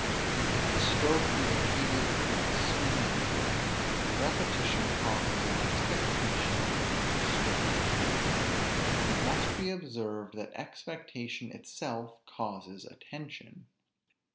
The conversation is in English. If the stroke be repeated pretty soon after, the repetition causes an expectation of another stroke. And it must be observed, that expectation itself causes a tension.